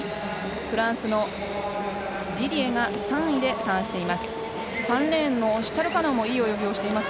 フランスのディディエが３位でターンしています。